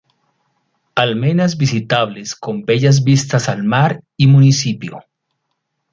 Almenas visitables con bellas vistas al mar y municipio.